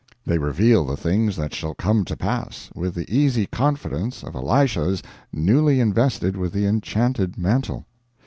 They reveal the things that shall come to pass, with the easy confidence of Elishas newly invested with the enchanted mantle.